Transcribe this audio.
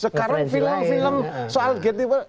sekarang film film soal gatewa